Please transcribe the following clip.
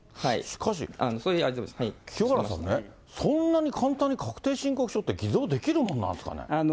清原さんね、そんなに簡単に確定申告書って偽造できるもんなんですかね。